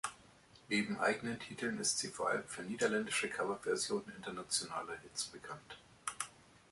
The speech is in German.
Neben eigenen Titeln ist sie vor allem für niederländische Coverversionen internationaler Hits bekannt.